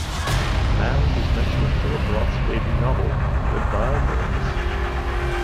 Mounds is mentioned in Philip Roth's debut novel, "Goodbye, Columbus".